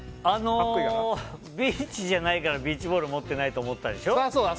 ビーチじゃないからビーチボールじゃないと思ったでしょ。